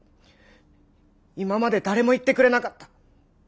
今まで誰も言ってくれなかった。